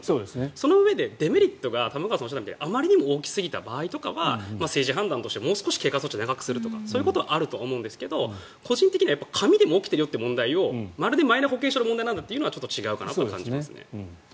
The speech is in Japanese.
そのうえでデメリットが玉川さんがおっしゃったようにあまりにも大きすぎた場合には政治判断としてもう少し経過措置を長くするとかそういうことはあると思うんですが個人的には紙でも起きている問題をまるでマイナ保険証の問題なんだというのは違うかなと思いますね。